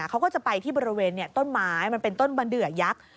เขาก็จะไปที่บริเวณต้นไม้มันเป็นต้นบะเดือยักษ์